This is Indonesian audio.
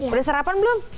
udah sarapan belum